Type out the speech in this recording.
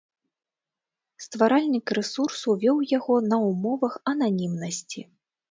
Стваральнік рэсурсу вёў яго на ўмовах ананімнасці.